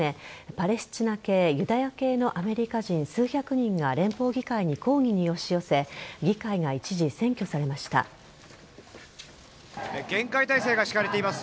パレスチナ系ユダヤ系のアメリカ人数百人が連邦議会に抗議に押し寄せ厳戒態勢が敷かれています